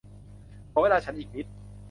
ขอเวลาฉันอีกนิด